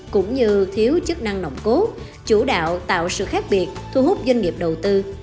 cũng như thiếu chức năng nộng cố chủ đạo tạo sự khác biệt thu hút doanh nghiệp đầu tư